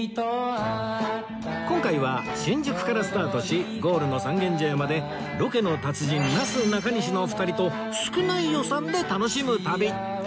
今回は新宿からスタートしゴールの三軒茶屋までロケの達人なすなかにしのお二人と少ない予算で楽しむ旅